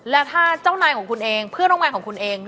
และถ้าเจ้านายของคุณเองเพื่อนร่วมงานของคุณเอง